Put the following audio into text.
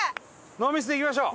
ノーミスでいきましょう。